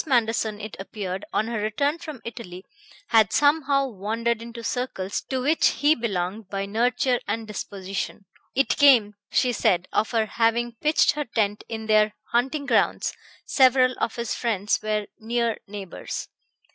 Manderson, it appeared, on her return from Italy, had somehow wandered into circles to which he belonged by nurture and disposition. It came, she said, of her having pitched her tent in their hunting grounds; several of his friends were near neighbors.